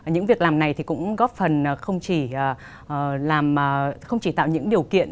những việc làm này cũng góp phần không chỉ tạo những điều kiện